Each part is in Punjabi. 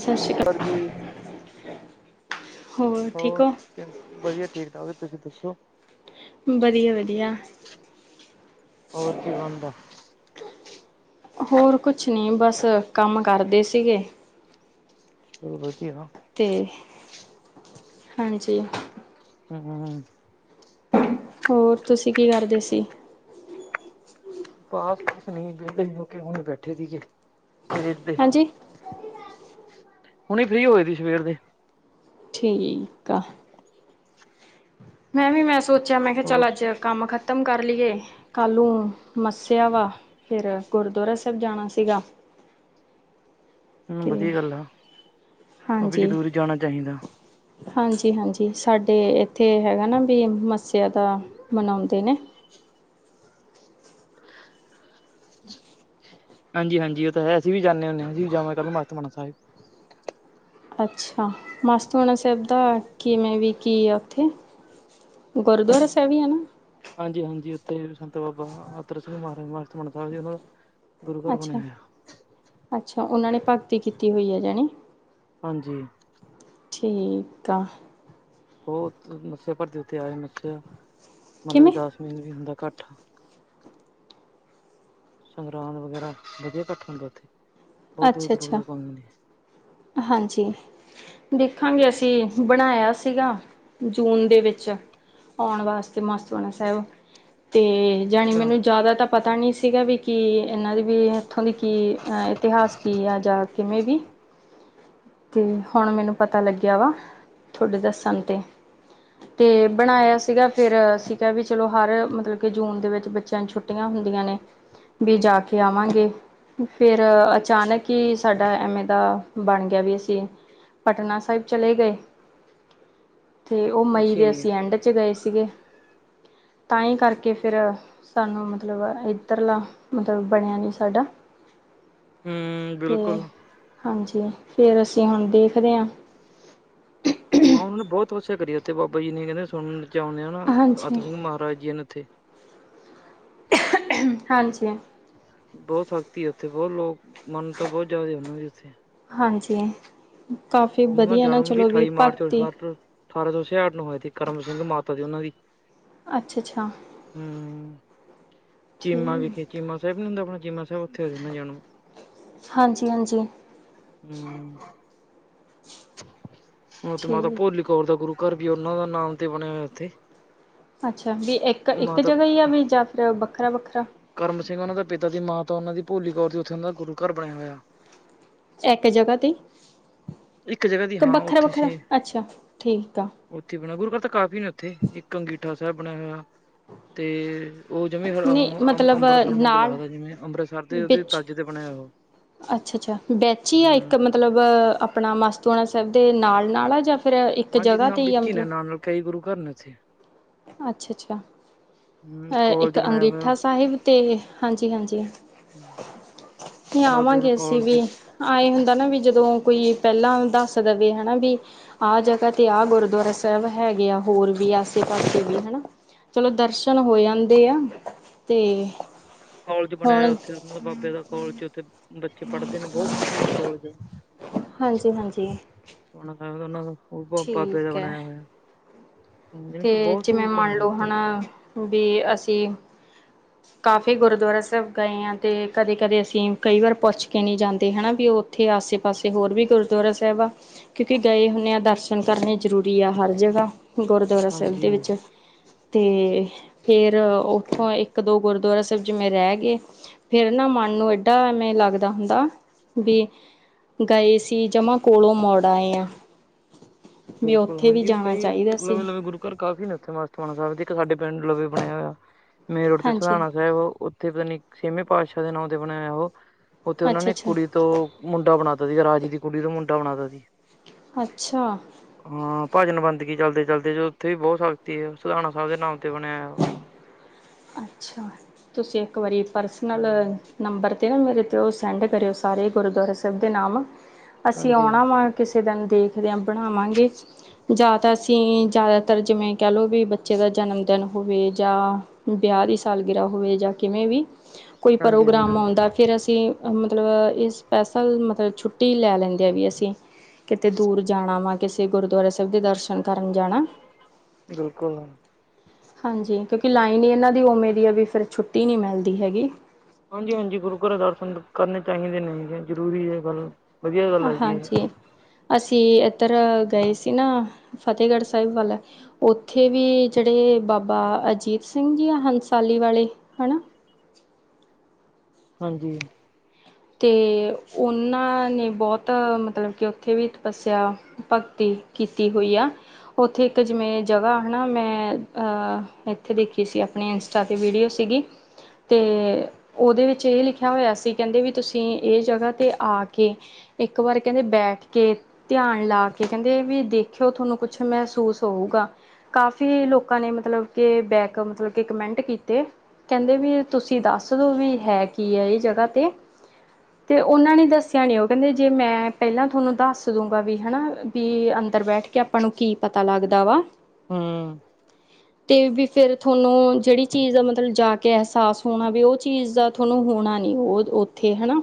ਸਤਿ ਸ਼੍ਰੀ ਕਾ ਸਰ ਜੀ [inaudible] ਠੀਕ ਹੋਰ ਹੋ ਵਧੀ ਵਧੀਆ ਠੀਕ-ਠਾਕ ਤੁਸੀਂ ਦੱਸੋ। ਵਧੀਆ ਵਧੀਆ। ਹੋਰ ਕੀ ਬਣਦਾ। ਹੋਰ ਕੁਛ ਨ੍ਹੀਂ ਬਸ ਕੰਮ ਕਰਦੇ ਸੀਗੇ। ਹੋ ਵ ਕੀ ਹਾਂ ਤੇ ਹਾਂਜੀ। ਹਂ ਹੋਰ ਤੁਸੀਂ ਕੀ ਕਰਦੇ ਸੀ। ਬਸ ਕੁਛ ਨੀ ਵਿਹਲੇ ਹੋਕੇ ਹੁਣ ਬੈਠੇ ਸੀਗੇ ਸਵੇਰ ਦੇ ਹਾਂਜੀ ਹੁਣੇ ਫ੍ਰੀ ਹੋਏ ਸੀ ਸਵੇਰ ਦੇ ਠੀਕ ਆ। ਮੈਂ ਵੀ ਮੈਂ ਸੋਚਿਆ ਮੈਂ ਕਿਹਾ ਚੱਲ ਹੋਰ ਅੱਜ ਕੰਮ ਖਤਮ ਕਰ ਲਈਏ, ਕੱਲ ਨੂੰ ਮੱਸਿਆ ਵਾ ਫਿਰ ਗੁਰਦੁਆਰਾ ਸਾਹਿਬ ਜਾਣਾ ਸੀਗਾ। ਹਂ ਤੇ ਵਧੀਆ ਗੱਲ ਆ, ਉਹ ਵੀ ਹਾਂਜੀ ਜਰਰੀ ਜਾਣਾ ਚਾਹੀਦਾ। ਹਾਂਜੀ ਹਾਂਜੀ, ਸਾਡੇ ਇੱਥੇ ਹੈਗਾ ਨਾ ਵੀ ਮੱਸਿਆ ਦਾ ਮਨਾਉਂਦੇ ਨੇ। ਹਾਂਜੀ ਹਾਂਜੀ ਉਹ ਤਾਂ ਹੈ, ਅਸੀਂ ਵੀ ਜਾਂਣੇ ਹੁੰਣੇ ਆਂ ਅਸੀਂ ਵੀ ਜਾਵਾਂ ਕੱਲ੍ਹ ਮਸਤਮਾਨ ਸਾਹਿਬ ਅੱਛਾ ਮਸਤਵਾਲਾ ਸਾਹਿਬ ਦਾ ਕਿਵੇਂ ਵੀ ਕੀ ਆ ਉੱਥੇ। ਗੁਰਦੁਆਰਾ ਸਾਹਿਬ ਈ ਐ ਨਾ। ਹਾਂਜੀ ਹਾਂਜੀ ਉੱਥੇ ਸੰਤ ਬਾਬਾ ਆਦਰ ਸਿੰਘ ਮਹਾਰਾਜ ਮ ਸਾਹਿਬ ਜੀ [unintelligible] ਗੁਰੂ ਘਰ ਬਣਿਆ ਅੱਛਾ ਹੋਇਆ ਅੱਛਾ, ਉਹਨਾਂ ਨੇ ਭਗਤੀ ਕੀਤੀ ਹੋਈ ਆ ਜਣੀ। ਹਾਂਜੀ। ਠੀਕ ਆ। ਬਹੁਤ ਮੱਸਿਆ ਭਰਦੇ ਉੱਤੇ ਆਏ [unintelligible] ਮਤਲਬ ਕਿ ਕਿਵੇਂ ਦਸ ਮਹੀਨੇ ਵੀ ਹੁੰਦਾ ਕੱਠ ਸੰਗਰਦ ਵਗੈਰਾ ਵਧੀਆ ਇਕੱਠ ਹੁੰਦਾ ਉੱਥੇ ਬਹੁਤ ਅੱਛਾ ਦੂਰੋਂ-ਦੂਰੋਂ ਅੱਛਾ ਲੋਕ ਆਉਂਦੇ ਨੇ। ਹਾਂਜੀ। ਦੇਖਾਂਗੇ ਅਸੀਂ ਬਣਾਇਆ ਸੀਗਾ ਜੂਨ ਦੇ ਵਿੱਚ ਆਉਣ ਵਾਸਤੇ ਮਸਤ ਬਣਾ ਸਾਹਿਬ। ਤੇ ਜਾਣੀ ਅੱਛਾ, ਮੈਨੂੰ ਜ਼ਿਆਦਾ ਤਾਂ ਪਤਾ ਨਹੀਂ ਸੀਗਾ ਵੀ ਕਿ ਐ। ਇਹਨਾਂ ਦੀ ਵੀ ਇੱਥੋਂ ਦੀ ਕੀ ਇਤਿਹਾਸ ਕੀ ਆ ਜਾਂ ਕਿਵੇਂ ਵੀ ਤੇ ਹੁਣ ਮੈਨੂੰ ਪਤਾ ਲੱਗਿਆ ਵਾ ਤੁਹਾਡੇ ਦੱਸਣ ਤੇ ਤੇ ਬਣਾਇਆ ਸੀਗਾ ਫਿਰ ਸੀਗਾ ਵੀ ਚਲੋ ਹਰ ਮਤਲਬ ਕਿ ਜੂਨ ਦੇ ਵਿੱਚ ਬੱਚਿਆਂ ਨੂੰ ਛੁੱਟੀ ਛੁੱਟੀਆਂ ਹੁੰਦੀਆਂ ਨੇ ਵੀ ਜਾ ਕੇ ਆਵਾਂਗੇ। ਫਿਰ ਅਚਾਨਕ ਹੀ ਸਾਡਾ ਐਵੇਂ ਦਾ ਬਣ ਗਿਆ ਵੀ ਪਟਨਾ ਸਾਹਿਬ ਚਲੇ ਗਏ। ਤੇ ਉਹ ਮਈ ਅੱਛਾ ਦੇ ਜੀ, ਅਸੀਂ ਐਂਡ 'ਚ ਗਏ ਸੀਗੇ ਤਾਂ ਹੀ ਕਰਕੇ ਫਿਰ ਸਾਨੂੰ ਮਤਲਬ ਇੱਧਰਲਾ ਮਤਲਬ ਬਣਿਆ ਨੀ ਸਾਡਾ ਹੂੰ ਤੇ ਬਿਲਕੁਲ। ਹਾਂਜੀ ਫਿਰ ਅਸੀਂ ਹੁਣ ਦੇਖਦੇ ਹਾਂ। ਹਾਂ ਉਹਨਾਂ ਨੇ ਬਹੁਤ ਕੁਛ ਸਿਆ ਕਰੀ ਉੱਥੇ ਬਾਬਾ ਜੀ ਨੇ ਕੈਂਦੇ ਸੁਣਦੇ ਆ ਨਾ ਹਾਂਜੀ ਆਤਰ ਸਿੰਘ ਮਹਾਰਾਜ ਜੀ ਨੇ ਉੱਥੇ ਹਾਂਜੀ ਬਹੁਤ ਸਖਤੀ ਆ ਉੱਥੇ ਬਹੁਤ ਲੋਕ ਮਨ ਤਾਂ ਬਹੁਤ ਜਾਦੇ ਉਹਨਾਂ ਦੀ ਉੱਥੇ ਹਾਂਜੀ ਕਾਫੀ ਉਹਨਾਂ ਦਾ ਵਧੀਆ ਨਾ ਜਨਮ ਚਲੋ ਵੀ ਅਠਾਈ ਮਾਰਚ ਭਗਤੀ ਅਠਾਰ ਅਠਾਰਾਂ ਸੌ ਛਿਆਹਠ ਨੂੰ ਹੋਏ ਸੀ ਕਰਮ ਸਿੰਘ ਮਾਤਾ ਦੀ ਉਹਨਾਂ ਦੀ ਅੱਛਾ-ਅੱਛਾ ਹੂੰ ਚੀਮਾ ਵਿਖੇ ਠੀਕ ਚੀਮਾ ਸਾਹਿਬ ਨੀ ਹੁੰਦਾ ਆਪਣਾ ਚੀਮਾ ਸਾਹਿਬ ਉੱਥੇ ਆ ਜਾਣ ਨੂੰ ਹਾਂਜੀ-ਹਾਂਜੀ ਹੂੰ ਹੋ ਤੇ ਮੈਂ ਤਾ ਠੀਕ ਪੋਲੀ ਕੌਰ ਦਾ ਗੁਰੂ ਘਰ ਵੀ ਉਹਨਾਂ ਦਾ ਨਾਮ ਤੇ ਬਣਿਆ ਹੋਇਆ ਉੱਥੇ ਅੱਛਾ ਵੀ ਇੱਕ-ਇੱਕ ਜਗ੍ਹਾ ਮਾਤਾ ਹੀ ਆ ਵੀ ਜਾਂ ਫਿਰ ਵੱਖਰਾ-ਵੱਖਰਾ ਕਰਮ ਸਿੰਘ ਉਹਨਾਂ ਦੇ ਪਿਤਾ ਦੀ ਮਾਂਤਾ ਉਹਨਾਂ ਦੀ ਭੋਲੀ ਕੌਰ ਦੀ ਉੱਥੇ ਉਹ ਦਾ ਗੁਰੂ ਘਰ ਬਣਿਆ ਹੋਇਆ। ਇੱਕ ਜਗ੍ਹਾ ਇੱਕ ਜਗ੍ਹਾ ਦੀ ਤੇ-ਤੇ ਹਾਂ ਉੱਥੇ ਵੱਖਰਾ-ਵੱਖਰਾ ਸੀ ਅੱਛਾ ਠੀਕ ਆ। ਉੱਥੇ ਬਣਿਆ ਗੁਰੂ ਕੱਲ ਤਾਂ ਕਾਫੀ ਨੇ ਉੱਥੇ ਇੱਕ ਅੰਗੀਠਾ ਸਾਹਿਬ ਬਣਿਆ ਹੋਇਆ ਤੇ ਓ ਜਿਵੇਂ ਹ ਨਹੀਂ ਮਤਲਬ ਅਮਬਰਸਰ ਵਾਂਗ ਨਾਲ ਲੱਗਦਾ ਜਿਵੇਂ ਅੰਮ੍ਰਿਤਸਰ ਦੇ ਉਹਦੇ ਤਜ ਤੇ ਬਣਿਆ ਓ। ਅੱਛਾ-ਅੱਛਾ ਬੈਚ ਈ ਆ ਇੱਕ ਮਤਲਬ ਆਪਣਾ ਮਾਸਤੂਣਾ ਸਾਹਿਬ ਦੇ ਨਾਲ-ਨਾਲ ਆ ਜਾਂ ਫਿਰ ਇੱਕ ਹਾਂਜੀ ਜਗ੍ਹਾ ਨਾ ਤੇ ਈ ਆ ਵਿੱਚ ਹੀ ਨੇ ਮਤਲਬ ਨਾਲ ਨਾਲ ਕਈ ਗੁਰੂ ਘਰ ਇਥੇ ਅੱਛਾ-ਅੱਛਾ ਹਮ ਅਹ ਕਾਲਜ ਇੱਕ ਬਣਾਇਆ ਹੋਇਆ। ਅੰਗਠਾ ਸਾਹਿਬ ਤੇ ਇਹ ਹਾਂਜੀ- ਹਾਂਜੀ। ਤੇ ਬਾਬੇ ਦਾ ਆਵਾਂਗੇ ਅਸੀਂ ਕਾਲਜ ਵੀ ਆ ਇਹ ਹੁੰਦਾ ਨਾ ਵੀ ਜਦੋਂ ਕੋਈ ਪਹਿਲਾਂ ਦੱਸ ਦੇਵੇ ਹਨਾ ਵੀ ਆਹ ਜਗ੍ਹਾ ਤੇ ਆਹ ਗੁਰਦੁਆਰਾ ਸਾਹਿਬ ਹੈਗੇ ਆ ਹੋਰ ਵੀ ਆ। ਪਾਸੇ ਵੀ ਹਨਾ ਚਲੋ ਦਰਸ਼ਨ ਹੋ ਆਂਦੇ ਆ। ਤੇ ਕੋਲਜ ਬਣਿਆ ਹੁਣ ਮਤਲਬ ਉੱਥੇ ਬਾਬੇ ਦਾ ਕੋਲਜ ਉੱਥੇ ਬੱਚੇ ਪੜ੍ਹਦੇ ਨੇ ਬੋਤ ਮਸ਼ਹੂਰ ਕੋਲਜ ਆ। ਹਾਂਜੀ ਹਾਂਜੀ ਸੋਣਾ ਤਾ ਉਹਨਾਂ ਦਾ ਬਾਬੇ ਦਾ ਠੀਕ ਹੈ ਬਣਾਇਆ ਹੋਇਆ ਆ। ਤੇ ਜਿਵੇਂ ਮੰਨ ਲਓ ਜੀ ਹਨਾ ਵੀ ਅਸੀਂ ਕਾਫੀ ਗੁਰਦੁਆਰਾ ਸਾਹਿਬ ਗਏ ਆ ਅਤੇ ਕਦੇ-ਕਦੇ ਅਸੀਂ ਕਈ ਵਾਰ ਪੁੱਛ ਕੇ ਨਹੀਂ ਜਾਂਦੇ ਹੈ ਨਾ ਵੀ ਓ। ਇਥੇ ਆਸੇ ਪਾਸੇ ਹੋਰ ਵੀ ਗੁਰਦੁਆਰਾ ਸਾਹਿਬ ਆ। ਕਿਉਂਕਿ ਗਏ ਹੁੰਣੇ ਆ ਦਰਸ਼ਨ ਕਰਨੇ ਜ਼ਰੂਰੀ ਆ ਹਰ ਜਗ੍ਹਾ ਗੁਰਦੁਆਰਾ ਸਾਹਿਬ ਹਾਂਜੀ ਦੇ ਵਿੱਚ ਤੇ ਫੇਰ ਉੱਥੋਂ ਇੱਕ ਇੱਕ ਦੋ ਗੁਰਦੁਆਰਾ ਸਾਹਿਬ ਜਿਵੇਂ ਰਏ ਗਏ। ਫਿਰ ਨਾ ਮਨ ਨੂੰ ਏਡਾ ਐਵੇਂ ਲੱਗਦਾ ਹੁੰਦਾ ਵੀ ਗਏ ਸੀ ਜਮਾ ਕੋਲੋਂ ਮੋੜ ਆਏ ਆਂ। ਬਿਲਕੁਲ ਹਾਂਜੀ ਉਹ ਕਈ ਚਾਹੀਦਾ ਨਵੇਂ ਸੀ ਨਵੇਂ ਗੁਰ ਪਰ ਕਾਫੀ ਨੇ ਉਥੇਸਤਾਨ ਸਾਹਿਬ ਦੇ ਇੱਕ ਸਾਡੇ ਪਿੰਡ ਲਵੇ ਬਣ ਹੋਇਆ ਮੇਨੋ ਤੇ ਹਾਂਜੀ ਸਧਣਾ ਸਾਹਿਬ ਉਥੇਣੀ ਛੇਵੇਂ ਪਾਤਸ਼ਾਹ ਦੇ ਨਾਂਓ ਤੇ ਬਣਾਇਆ ਉਹ ਉੱਥੇ ਉਹਨਾਂ ਨੇ ਅੱਛਾ-ਅੱਛਾ ਕੁੜੀ ਤੋਂ ਮੁੰਡਾ ਬਣਾ ਤ ਸੀ ਰਾਜੇ ਦੀ ਕੁੜੀ ਦਾ ਮੁੰਡਾ ਬਣਾਤਾ ਸੀ ਅੱਛਾ ਹਾਂ ਭਜਨ ਬੰਦਗੀ ਚੱਲਦੇ ਚਲਦੇ ਜਦ ਉੱਥੇ ਵੀ ਬਹੁਤ ਸਖਤੀ ਆ ਸੁਧਣਾ ਸਾਹਿਬ ਦੇ ਨਾਮ ਤੇ ਬਣਿਆ ਏ ਓਹ ਅੱਛਾ ਤੁਸੀਂ ਇੱਕ ਵਾਰੀ ਪਰਸਨਲ ਹਮ ਨੰਬਰ 'ਤੇ ਨਾ ਮੇਰੇ 'ਤੇ ਉਹ ਸੈਂਡ ਕਰਿਓ ਸਾਰੇ ਗੁਰਦੁਆਰਾ ਸਾਹਿਬ ਦੇ ਨਾਮ ਅਸੀਂ ਹਾਂਜੀ ਆਉਣਾ ਵਾ ਕਿਸੇ ਦਿਨ ਦੇਖਦਿਆਂ ਬਣਾਵਾਂਗੇ ਜਾਂ ਤਾਂ ਅਸੀਂ ਜ਼ਿਆਦਾਤਰ ਜਿਵੇਂ ਕਹਿ ਲਓ ਵੀ ਬੱਚੇ ਦਾ ਜਨਮਦਿਨ ਹੋਵੇ ਜਾਂ ਵਿਆਹ ਦੀ ਸਾਲਗਿਰਾਹ ਹੋਵੇ ਜਾਂ ਕਿਵੇਂ ਵੀ ਕੋਈ ਹਾਂਜੀ ਪ੍ਰੋਗਰਾਮ ਹਾਂਜੀ ਆਉਂਦਾ ਫਿਰ ਅਸੀਂ ਮਤਲਬ ਇਹ ਸਪੈਸ਼ਲ ਮਤਲਬ ਛੁੱਟੀ ਲੈ ਲੈਂਦੇ ਆਾਂ ਵੀ ਅਸੀਂ ਕਿਤੇ ਦੂਰ ਜਾਣਾ ਵਾ ਕਿਸੇ ਗੁਰਦੁਆਰਾ ਸਾਹਿਬ ਦੇ ਦਰਸ਼ਨ ਕਰਨ ਜਾਣਾ। ਬਿਲਕੁਲ ਹਾਂਜੀ ਕਿਉਂਕਿ ਲਾਈਨ ਇਹਨਾਂ ਦੀ ਉਵੇਂ ਦੀ ਆ ਵੀ ਫਿਰ ਛੁੱਟੀ ਨਹੀਂ ਮਿਲਦੀ ਹੈਗੀ। ਹਾਂਜੀ ਹਾਂਜੀ ਗੁਰੂ ਘਰ ਦਰਸ਼ਨ ਕਰਨੇ ਚਾਹੀਦੇ ਨੇ ਗੇ ਜ਼ਰੂਰੀ ਹੈ ਗੱਲ। ਵਧੀਆ ਗੱਲ ਹੈਗੀ ਹੈ। ਹਾਂਜੀ ਅਸੀਂ ਇੱਧਰ ਗਏ ਸੀ ਨਾ। ਫਤਿਹਗੜ੍ਹ ਸਾਹਿਬ ਵਾਲਾ ਉੱਥੇ ਵੀ ਜਿਹੜੇ ਬਾਬਾ ਅਜੀਤ ਸਿੰਘ ਜੀ ਆ ਹੰਸਾਲੀ ਵਾਲੇ ਹੈ ਹਨਾ। ਹਾਂਜੀ ਅਤੇ ਉਹਨਾਂ ਨੇ ਬਹੁਤ ਮਤਲਬ ਕਿ ਉੱਥੇ ਵੀ ਤਪੱਸਿਆ ਭਗਤੀ ਕੀਤੀ ਹੋਈ ਆ। ਉੱਥੇ ਇੱਕ ਜਿਵੇਂ ਜਗ੍ਹਾ ਹਨਾ ਮੈਂ ਅਹ ਇੱਥੇ ਦੇਖੀ ਸੀ ਆਪਣੇਇਨਸਤਾ ਦੀ ਵੀਡੀਓ ਸੀਗੀ ਤੇ ਉਹਦੇ ਵਿੱਚ ਇਹ ਲਿਖਿਆ ਹੋਇਆ ਸੀ ਕਹਿੰਦੇ ਵੀ ਤੁਸੀਂ ਇਹ ਜਗ੍ਹਾ 'ਤੇ ਆ ਕੇ ਇੱਕ ਵਾਰ ਕਹਿੰਦੇ ਬੈਠ ਕੇ ਧਿਆਨ ਲਾ ਕੇ ਕਹਿੰਦੇ ਵੀ ਦੇਖਿਓ ਤੁਹਾਨੂੰ ਕੁੱਛ ਮਹਿਸੂਸ ਹਊਗਾ ਕਾਫੀ ਲੋਕਾਂ ਨੇ ਮਤਲਬ ਕੇ ਬੈਕ ਮਤਲਬ ਕੇ ਕਮੈਂਟ ਕੀਤੇ। ਕਹਿੰਦੇ ਵੀ ਤੁਸੀਂ ਦੱਸ ਦੋ ਵੀ ਹੈ ਕੀ ਹੈ ਇਹ ਜਗ੍ਹਾ ਤੇ। ਤੇ ਉਹਨਾਂ ਨੇ ਦੱਸਿਆ ਨੀ ਉਹ ਕਹਿੰਦੇ ਜੇ ਮੈਂ ਪਹਿਲਾਂ ਤੁਹਾਨੂੰ ਦੱਸ ਦ ਦੂੰਗਾ ਵੀ ਹਨਾ ਵੀ ਅੰਦਰ ਬੈਠ ਕੇ ਆਪਾਂ ਨੂੰ ਕੀ ਪਤਾ ਲੱਗਦਾ ਵਾ। ਹਮ ਅਤੇ ਵੀ ਫਿਰ ਤੁਹਾਨੂੰ ਜਿਹੜੀ ਚੀਜ਼ ਦਾ ਮਤਲਬ ਜਾ ਕੇ ਅਹਿਸਾਸ ਹੋਣਾ ਵੀ ਉਹ ਚੀਜ਼ ਦਾ ਤੁਹਾਨੂੰ ਹੋਣਾ ਨੀ ਉਹ ਉੱਥੇ ਹਨਾ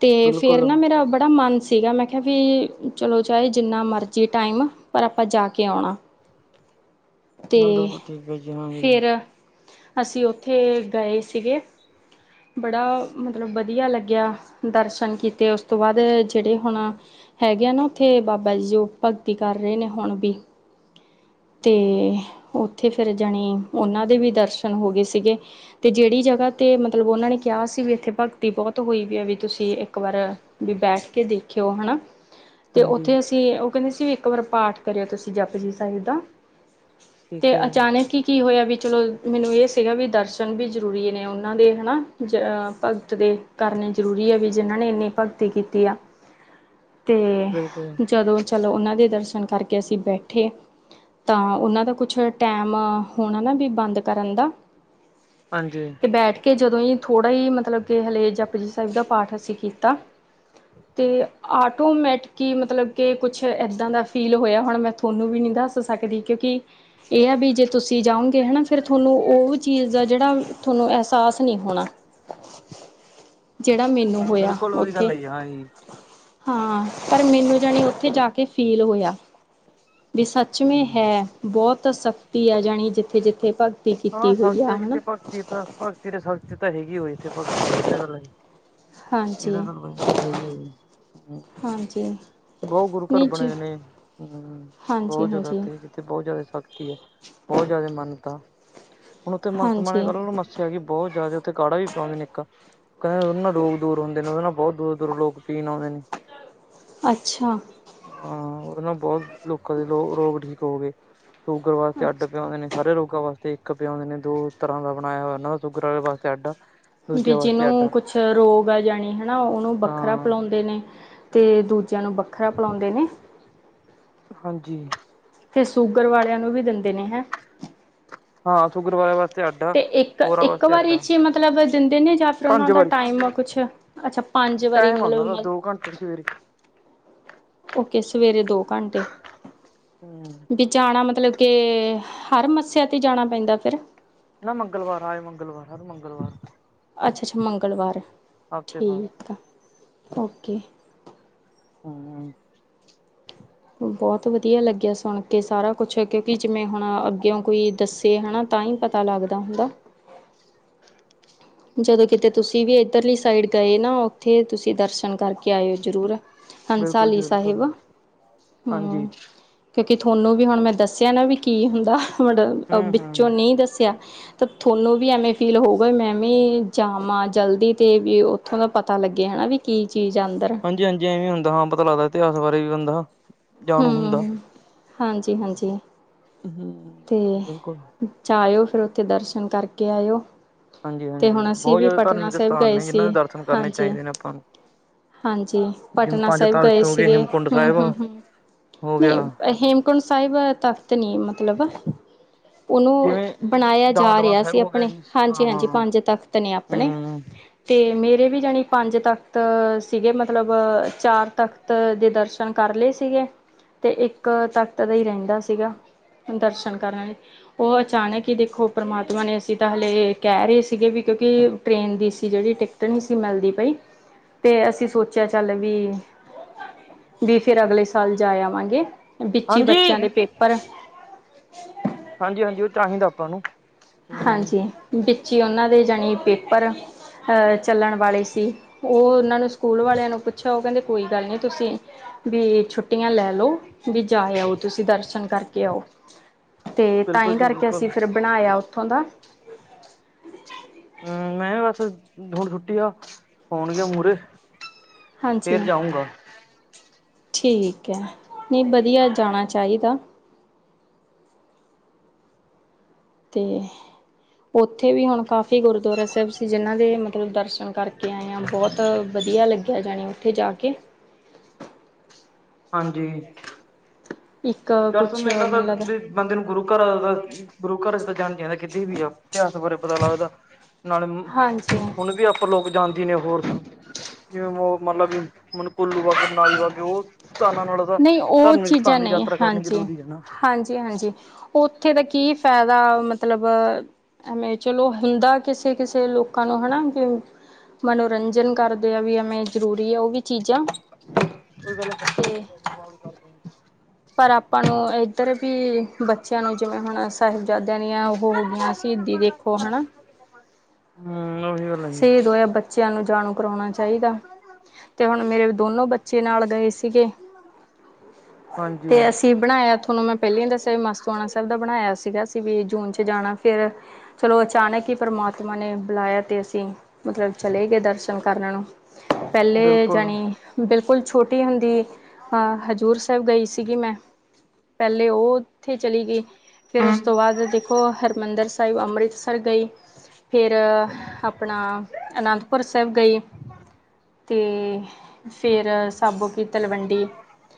ਤੇ ਫੇਰ ਨਾ ਬਿਲਕੁਲ ਮੇਰਾ ਬੜਾ ਮਨ ਸੀਗਾ ਮੈਂ ਵੀ ਚਲੋ ਚਾਹੇ ਜਿੰਨਾ ਮਰਜ਼ੀ ਟਾਈਮ ਪਰ ਆਪਾਂ ਜਾ ਕੇ ਆਉਣਾ। ਤੇ ਨਾਲ ਬਿਲਕੁਲ ਠੀਕ ਹੈ ਜੀ ਹਾਂਜੀ। ਫਿਰ ਅਸੀਂ ਉੱਥੇ ਗਏ ਸੀਗੇ ਬੜਾ ਮਤਲਬ ਵਧੀਆ ਲੱਗਿਆ, ਦਰਸ਼ਨ ਕੀਤੇ ਉਸ ਤੋਂ ਬਾਅਦ ਜਿਹੜੇ ਹੁਣ ਹੈਗੇ ਆ ਨਾ ਉੱਥੇ ਬਾਬਾ ਜੀ ਜੋ ਭਗਤੀ ਕਰ ਰਹੇ ਨੇ ਹੁਣ ਵੀ। ਅਤੇ ਉੱਥੇ ਫਿਰ ਜਾਣੀ ਉਹਨਾਂ ਦੇ ਵੀ ਦਰਸ਼ਨ ਹੋ ਗਏ ਸੀਗੇ। ਅਤੇ ਜਿਹੜੀ ਜਗ੍ਹਾ 'ਤੇ ਮਤਲਬ ਉਹਨਾਂ ਨੇ ਕਿਹਾ ਸੀ, ਵੀ ਇੱਥੇ ਭਗਤੀ ਬਹੁਤ ਹੋਈ ਵੀ ਆ ਵੀ ਤੁਸੀਂ ਇੱਕ ਵਾਰ ਵੀ ਬੈਠ ਕੇ ਦੇਖਿਓ ਹਨਾ। ਤੇ ਹਾਂਜੀ ਉੱਥੇ ਅਸੀਂ ਉਹ ਕਹਿੰਦੇ ਸੀ ਇੱਕ ਵਾਰ ਪਾਠ ਕਰਿਓ ਤੁਸੀਂ ਜਪੁ ਜੀ ਸਾਹਿਬ ਦਾ। ਠੀਕ ਤੇ ਹੈ ਅਚਾਨਕ ਹੀ ਕੀ ਹੋਇਆ ਵੀ ਚਲੋ ਮੈਨੂੰ ਇਹ ਸੀਗਾ ਵੀ ਦਰਸ਼ਨ ਵੀ ਜ਼ਰੂਰੀ ਨੇ ਉਹਨਾਂ ਦੇ ਹਨਾ। ਜ ਭਗ ਦੇ ਕਰਨੇ ਜ਼ਰੂਰੀ ਹੈ ਵੀ ਜਿਹਨਾਂ ਨੇ ਇੰਨੀ ਭਗਤੀ ਕੀਤੀ ਆ। ਤੇ ਬਿਲਕੁਲ ਜਦੋਂ ਚਲੋ ਉਨਾਂ ਦੇ ਦਰਸ਼ਨ ਕਰਕੇ ਅਸੀਂ ਬੈਠੇ ਤਾਂ ਉਨਾਂ ਦਾ ਕੁਛ ਟੈਮ ਹੋਣਾ ਨਾ ਬੀ ਬੰਦ ਕਰਨ ਦਾ। ਹਾਂਜੀ। ਤੇ ਬੈਠ ਕੇ ਜਦੋਂ ਈ ਥੋੜ੍ਹਾ ਈ ਮਤਲਬ ਕਿ ਹਲੇ ਜਪੁ ਜੀ ਸਾਹਿਬ ਦਾ ਪਾਠ ਅਸੀਂ ਕੀਤਾ। [inaudible] ਤੇ ਆਟੋਮੈਟਿਕੀ ਮਤਲਬ ਕਿ ਕੁਛ ਐਦਾਂ ਦਾ ਫੀਲ ਹੋਇਆ ਹੁਣ ਮੈਂ ਉਨੂ ਵੀ ਨਹੀਂ ਦੱਸ ਸਕਦੀ। ਕਿਉਂਕਿ ਏ ਹੈ ਵੀ ਜੇ ਤੁਸੀਂ ਜਾਓਗੇ ਹਨਾ ਫਿਰ ਤੁਹਾਨੂੰ ਉਹ ਚੀਜ਼ ਦਾ ਜਿਹੜਾ ਤੁਹਾਨੂੰ ਅਹਿਸਾਸ ਨਹੀਂ ਹੋਣਾ। ਜੇੜਾ ਮੈਨੂੰ ਹਾਂ ਹੋਇਆ ਬਿਲਕੁਲ ਉਹੀ ਉੱਥੇ ਗੱਲ ਹੈ ਹਾਂਜੀ ਹਾਂ ਪਰ ਮੈਨੂੰ ਜਾਣੀ ਉੱਥੇ ਜਾ ਕੇ ਫੀਲ ਹੋਇਆ। ਵੀ ਸੱਚ ਮੇਂ ਹੂੰ। ਹੈ ਬੋਹਤ ਸ਼ਖਤੀ ਹੈ ਜਾਣੀ ਜਿੱਥੇ-ਜਿੱਥੇ ਪਗ ਹਾਂ ਸਚ ਐ ਕਿਥੇ ਪਗਤੀ ਤਾਂ ਪਗ ਤੇਰੇ ਸਖਤ ਤਾਂ ਹੈਗੀ ਹੋਏ ਇੱਥੇ ਪਗਤੀ ਹੈ ਇਹ ਤਾਂ ਗੱਲ ਐ ਹਾਂਜੀ ਇਹਦਾ ਗੱਲੋ ਹਾਂਜੀ ਹਾਂਜੀ ਬਹੁ ਗੁਰੂ ਘਰ ਨਹੀਂ ਬਣੇ ਜੀ ਹੋਏ ਨੇ। ਹੂੰ ਬੋ ਹਾਂਜੀ ਜਿਆਦਾ ਹਾਂਜੀ ਇਥੇ ਜਿੱਥੇ ਬਹੁਤ ਜਿਆਦਾ ਸਖਤੀ ਹੈ ਬੋ ਜ਼ਿਆਦਾ ਮਨਤਾ। ਹੁਣ ਉੱਥੇ ਮਤ ਮਾ ਕ ਹਾਂਜੀ ਮੱਸਿਆ ਹੈਗੀ ਬਹੁਤ ਜ਼ਿਆ ਉੱਥ ਕਾੜਾ ਵੀ ਪਿਆਉਂਦੇ ਨੇ ਇੱਕ ਪੈ ਉਦੇ ਨਾਲ ਰੋਗ ਦੂਰ ਹੁੰਦੇ ਨੇ। ਉਹਦੇ ਨਾਲ ਬੋਤ ਦੂਰੋਂ-ਦੂਰੋ ਲੋਗ ਪੀਣ ਆਊਂਦੇ ਨੇ। ਅੱਛਾ। ਹਾਂ ਉਦੇ ਨਾਲ ਬੋਤ ਲੋਕਾਂ ਦੇ ਲੋ ਰੋਗ ਠੀਕ ਹੋਗੇ। ਸੂਗਰ ਵਾਸਤੇ ਅੱਛਾ ਅੱਡ ਪਿਆਉਂਦੇ ਨੇ, ਸਾਰੇ ਰੋਗਾਂ ਵਾਸ ਤੇ ਇੱਕ ਪਿਉਦੇ ਨੇ, ਦੋ ਤਰ੍ਹਾਂ ਦਾ ਬਣਾਇਆ ਹੋਇਆ ਇਹਨਾਂ ਦਾ ਸੁਗਰ ਵਾਲੇ ਪਾਸੇ ਅੱਡ। ਵੀ ਦੂਜਿਆਂ ਵਾਸਤੇ ਅੱਡ ਆ ਜਿਹਨੂੰ ਕੁਛ ਰੋਗ ਆ ਯਾਣੀ ਹੈਨਾ, ਉਨੂੰ ਵੱਖਰਾ ਹਾਂ ਪਿਲਾਉਂਦੇ ਨੇ। ਤੇ ਦੂਜਿਆਂ ਨੂੰ ਵੱਖਰਾ ਪਿਲੋਂਦੇ ਨੇ। ਹਾਂਜੀ। ਤੇ ਸ਼ੂਗਰ ਵਾਲਿਆਂ ਨੂੰ ਵੀ ਦਿੰਦੇ ਨੇ ਹੈ ਹਾਂ, ਸੁਗਰ ਵਾਲਿਆਂ ਵਾ ਤੇ ਇੱਕ-ਇੱਕ ਵਾਰੀ ਚ ਮਤਲਬ ਦਿੰਦੇ ਨੇ ਜਾਂ ਫਿਰ ਉਹਨਾਂ ਪੰਜ ਦਾ ਵਾਰੀ ਟਾਈਮ ਆ ਕੁੱਛ ਅੱਛਾ, ਪੰਜ ਵਾਰੀ ਟਾਈਮ ਆ ਉਹਨਾਂ ਮਤਲਬ ਦਾ ਦੋ ਘੰਟੇ ਸਵੇਰੇ ਓਕੇ ਸਵੇਰੇ ਦੋ ਘੰਟੇ। ਹੂੰ। ਵੀ ਜਾਣਾ ਮਤਲਬ ਕੇ, ਹਰ ਮੱਸਿਆਂ ਤੇ ਜਾਣਾ ਪੈਂਦਾ ਫੇਰ? ਨਾ ਮੰਗਲਵਾਰ ਆਏ ਮੰਗਲਵਾਰ, ਹਰ ਮੰਗਲਵਾਰ। ਅੱਛਾ-ਅੱਛਾ ਮੰਗਲਵਾਰ ਹਫ਼ਤੇ ਬਾਅਦ ਠੀਕ ਐ, ਓਕੇ। ਹੂੰਹ ਬੋਤ ਵਧੀਆ ਲੱਗਿਆ ਸੁਣ ਕੇ ਸਾਰਾ ਕੁੱਛ, ਕਿਉਂਕਿ ਜਿਵੇਂ ਹੁਣ ਅੱਗੇ ਓ- ਕੋਈ ਦੱਸੇ ਹੈਨਾ, ਤਾਂ ਹੀ ਪਤਾ ਲੱਗਦਾ ਹੁੰਦਾ। ਜਦੋਂ ਕਿਤੇ ਤੁਸੀਂ ਵੀ ਇੱਧਰਲੀ ਸਾਈਡ ਗਏ ਨਾ, ਉੱਥੇ ਤੁਸੀਂ ਦਰਸ਼ਨ ਕਰਕੇ ਆਏਓ ਜ਼ਰੂਰ। ਬਿਲਕੁਲ ਹੰਸਾਲੀ ਜੀ ਬਿਲਕੁਲ ਸਾਹਿਬ, ਹਾਂਜੀ ਹੂੰ। ਕਿਉਂਕਿ ਤੁਹਾਨੂੰ ਵੀ ਹੁਣ ਮੈਂ ਦੱਸਿਆਂ ਨਾ ਵੀ ਕੀ ਹੁੰਦਾ, ਮਬਟ ਵਿੱਚੋਂ ਹੂੰ-ਹੂੰ ਨੀ ਦੱਸਿਆਂ। ਤਾਂ ਥੁਹਾਨੂੰ ਵੀ ਐਵੇਂ ਫੀਲ ਹੋਊਗਾ ਵੀ, ਮੈਂ ਮੈਂ ਭੀ ਜਾਵਾਂ ਜਲਦੀ ਤੇ ਵੀ ਉੱਥੋਂ ਦਾ ਪਤਾ ਲੱਗੇ ਹੈਨਾ ਵੀ ਕੀ ਚੀਜ਼ ਐ‌ ਅੰਦਰ। ਹਾਂਜੀ-ਹਾਂਜੀ, ਐਵੇਂ ਹੁੰਦਾ ਹਾਂ ਪਤਾ ਲੱਗਦਾ ਇਤਿਹਾਸ ਬਾਰੇ ਵੀ ਹੰਦਾ- ਹੂੰ, ਹਾਂਜੀ-ਹਾਂਜੀ‌। ਹੂੰ ਬਿਲਕੁੱਲ। ਜਾਂ ਆਏਓ ਫਿਰ ਉੱਥੇ ਦਰਸ਼ਨ ਕਰਕੇ ਆਏਓ। ਤੇ ਹਾਂਜੀ-ਹਾਂਜੀ, ਹੁਣ ਅਸੀਂ ਬਹੁਤ ਵੀ ਜ਼ਿਆਦਾ ਪਟਨਾ ਧਾਰਮਿਕ ਸਾਹਿਬ ਸਥਾਨ ਗਏ ਨੇ ਜਿਨ੍ਹਾਂ ਸੀ, ਦੇ ਦਰਸ਼ਨ ਕਰਨੇ ਹਾਂਜੀ। ਚਾਹੀਦੇ ਨੇ ਆਪਾਂ ਨੂੰ। ਹਾਂਜੀ, ਜਿਵੇਂ ਪਟਨਾ ਪੰਜ ਸਾਹਿਬ ਗਏ ਤਖ਼ਤ ਹੋ ਸੀਗੇ ਹੇਮਕੁੰਡ ਹੂੰ ਸਾਹਿਬ ਹੂੰ ਹੂੰ। ਹੋ ਨਈ ਗਿਆ, ਹੇਮਕੁੰਟ ਸਾਹਿਬ ਤਖ਼ਤ ਨੀ ਮਤਲਬ। ਉਹਨੂੰ ਜਿਵੇਂ ਬਣਾਇਆ ਜਾ ਦਮਦਮਾ ਰਿਹਾ ਸਾਹਿਬ ਸੀ ਹੋ ਗਿਆ ਅਪਣੇ, ਜੀ, ਹਾਂਜੀ ਹਾਂ-ਹਾਂ, ਹਾਂਜੀ ਪੰਜ ਤਖ਼ਤ ਨੇ ਅਪਣੇ। ਹੂੰ, ਤੇ ਮੇਰੇ ਵੀ ਜਾਣੀ ਪੰਜ ਤਖ਼ਤ ਸੀਗੇ ਮਤਲਬ ਚਾਰ ਤਖ਼ਤ ਤ ਦੇ ਦਰਸ਼ਨ ਕਰ ਲਏ ਸੀਗੇ। ਤੇ ਇੱਕ ਤਖ਼ਤ ਦਾ ਹੀ ਰਹਿੰਦਾ ਸੀਗਾ, ਦਰਸ਼ਨ ਕਰਨ ਲਈ। ਉਹ ਅਚਾਨਕ ਹੀ ਦੇਖੋਂ ਪਰਮਾਤਮਾ ਨੇ ਅਸੀਂ ਤਾਂ ਹਲੇੇ ਕਹਿ ਰਹੇ ਸੀਗੇ ਵੀ ਕਿਉਂਕਿ ਟ੍ਰੇਨ ਦੀ ਸੀ ਜਿਹੜੀ ਟਿਕ ਟਿਕਟ ਨਹੀਂ ਸੀ ਮਿਲਦੀ ਪਈ, ਤੇ ਅਸੀਂ ਸੋਚਿਆਂ ਚੱਲ ਵੀ ਵੀ ਫਿਰ ਅਗਲੇ ਸਾਲ ਜਾਏ ਆਵਾਂਗੇ, ਵਿੱਚ ਈ ਬੱਚਿਆਂ ਹਾਂਜੀ। ਦੇ ਪੇਪਰ ਏ ਹਾਂਜੀ ਹਾਂਜੀ, ਉਹ ਚਾਹੀਂਦਾ ਆਪਾਂ ਨੂੰ ਹੂੰ, ਹਾਂਜੀ, ਵਿੱਚ ਈ ਉਹਨਾਂ ਦੇ ਜਾਣੀ ਪੇਪਰ ਅਹ ਚੱਲਣ ਵਾਲੇ ਸੀ। ਉਹ ਉਹਨਾਂ ਨੂੰ ਸਕੂਲ ਵਾਲਿਆਂ ਨੂੰ ਪੁੱਛਿਆ, ਉਹ ਕਹਿੰਦੇ ਕੋਈ ਗੱਲ ਨੀ ਤੁਸੀਂ ਬੀ ਛੁੱਟੀਆਂ ਲੈ ਲਓ, ਬੀ ਜਾਏ ਆਉ ਤੁਸੀਂ ਦਰਸ਼ਨ ਕਰਕੇ ਆਓ। ਤੇ ਤਾਂ ਹੀ ਬਿਲਕੁਲ ਜੀ ਕਰਕੇ ਬਿਲਕੁਲ। ਅਸੀਂ ਫਿਰ ਬਣਾਇਆ ਉੱਥੋਂ ਦਾ। ਹੂੰ ਮੈਂ ਵੀ ਬੱਸ ਹੁਣ ਛੁੱਟੀ ਆ ਹੋਣ ਗਿਆ ਮੂਹਰੇ ਹਾਂਜੀ ਫੇਰ ਜਾਉਂਗਾ। ਠੀਕ ਐ, ਨਹੀਂ ਵਧੀਆ ਜਾਣਾ ਚਾਹੀਂਦਾ। ਤੇ ਉੱਥੇ ਵੀ ਹੁਣ ਕਾਫ਼ੀ ਗੁਰਦੁਆਰਾ ਸਾਹਿਬ ਸੀ, ਜਿਹਨਾਂ ਦੇ ਮਤਲਬ ਦਰਸ਼ਨ ਕਰਕੇ ਆਏ ਆ, ਬੋਤ ਤ ਵਧੀਆਂ ਲੱਗਿਆਂ ਜਾਣੀ, ਉੱਥੇ ਜਾ ਕੇ। ਹਾਂਜੀ। ਇੱਕ ਦਰਸਨ ਕੁਛ ਮੇਲਾ ਤਾਂ ਮੈਨੂੰ ਲੱਗਦਾ ਵੀ ਬੰਦੇ ਨੂੰ ਗੁਰੂ ਘਰ ਅਲ ਦਾ ਗੁਰੂ ਘਰ ਤਾਂ ਜਾਣੀ ਜਾਣ ਆ ਕਿਤੇ ਵੀ ਆ ਇਤਿਹਾਸ ਬਾਰੇ ਪਤਾ ਲੱਗਦਾ ਨਾਲੇ ਮ ਸੂਆ [unintelligible] ਉੱਪਰ ਲੋਕ ਜਾਂਦੀ ਨੇ ਹੋਰ ਜਿਵੇਂ ਵੋ ਮਤਲਬ ਵੀ ਮਨੂੰ ਕੁੁੱਲੂ ਵਰਗ ਨਾਲੀ ਵਾ ਗੇ ਓਹ ਧਾਨਾ ਨਾਲੋ [unintelligible] ਨਹੀਂ ਓਹ ਚੀਜ਼ਾਂ ਨਹੀ, ਹਾਂਜੀ। ਹੈ ਨਾ ਹਾਂਜੀ ਹਾਂਜੀ, ਓਥੇ ਦਾ ਕੀ ਫੈਦਾ ਮਤਲਬ ਐਮੇਂ ਚਲੋ ਹੁੰਦਾ ਕਿਸੇ-ਕਿਸੇ ਲੋਕਾਂ ਨੂੰ ਹਨਾ ਬੀ ਮਨੋਰੰਜਨ ਕਰਦੇ ਆ ਵੀ ਏਮੇਂ ਜ਼ਰੂਰੀ ਆ ਓਹ ਵੀ ਚੀਜ਼ਾਂ। ਕੋਈ ਗੱਲੋਂ ਫੈਦਾ ਤੋ ਤੇ ਹੈਗੈ [unintelligible] ਘਰ ਤੋਈ। [unintelligible] ਪਰ ਆਪਾਂ ਨੂੰ ਏਧਰ ਬੀ ਬੱਚਿਆਂ ਨੂੰ ਜਿਵੇਂ ਹੁਣ ਸਾਹਿਬਜ਼ਾਦਿਆਂ ਦੀਆਂ ਓਹੋ ਹੋ ਗੀਆਂ ਸ਼ਹੀਦੀ ਦੇ ਖੋ ਹੈਨਾ। ਹੁ ਓਹੀਓ। ਸ਼ਹੀਦ ਹੋਇਆ ਬੱਚਿਆਂ ਨੂੰ ਜਾਣੂ ਕਰੋਣਾ ਚਾਈਦਾ। ਤੇ ਹੁਣ ਮੇਰੇ ਦੋਨੋ ਬੱਚੇ ਨਾਲ ਗਏ ਸੀਗੇ। ਹਾਂਜੀ। ਤੇ ਅਸੀਂ ਬਣਾਇਆ ਥੋਨੂੰ ਮੈਂ ਪੈਲਾਂ ਈ ਦੱਸਿਆ ਵੀ ਮਸਤੂਆਣਾ ਸਾਇਬ ਦਾ ਬਣਾਇਆ ਸੀਗਾ ਅਸੀਂ ਵੀ ਜੂਨ ਚ ਜਾਣਾ, ਫੇਰ ਚਲੋ ਅਚਾਨਕ ਹੀ ਪਰਮਾਤਮਾ ਨੇ ਬੁਲਾਇਆ ਤੇ ਅਸੀ ਤੀਂ ਮਤਲਬ ਚਲੇ ਗਏ ਦਰਸ਼ਨ ਕਰਨ ਨੂੰ, ਪੈਲੇ ਬਿਲਕੁਲ ਜਣੀ ਬਿਲਕੁਲ ਛੋਟੀ ਹੁੰਦੀ ਹਾ ਹਜ਼ੂਰ ਸਾਹਿਬ ਗਈ ਸੀਗੀ ਮੈਂ। ਪੈਲੇ ੳ ੳਥੇ ਚਲੀ ਗਈ। ਫੇਰ ਉਸ ਤੋਂ ਬਾਦ ਦੇਖੋ ਹਰਮੰਦਰ ਸਾਹਿਬ ਅੰਮ੍ਰਿਤਸਰ ਗਈ ਫੇਰ ਅਪਣਾ ਅਨੰਦਪੁਰ ਸਾਹਿਬ ਗਈ ਤੇ ਪ ਫਿਰ ਸਾਬੋ ਕਿ ਤਲਵੰਡੀ।